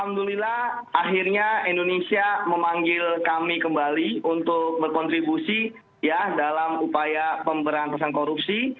alhamdulillah akhirnya indonesia memanggil kami kembali untuk berkontribusi ya dalam upaya pemberantasan korupsi